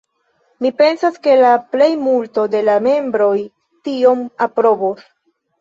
Mi pensas ke la plejmulto de la membroj tion aprobos.